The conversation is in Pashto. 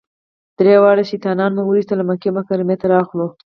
درې واړه شیطانان مو وويشتل او مکې مکرمې ته راغلو.